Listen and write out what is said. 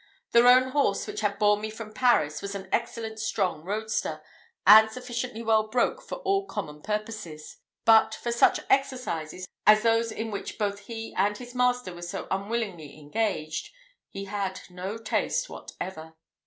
The roan horse which had borne me from Paris was an excellent strong roadster, and sufficiently well broke for all common purposes; but for such exercises as those in which both he and his master were so unwillingly engaged, he had no taste whatever.